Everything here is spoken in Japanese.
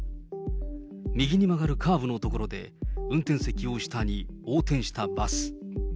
右に曲がるカーブの所で運転席を下に横転したバス。